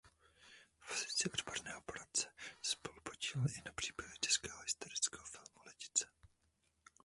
V pozici odborného poradce se spolupodílel na přípravě českého historického filmu Lidice.